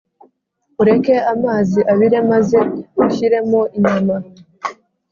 Ureke amazi abire maze ushyiremo inyama.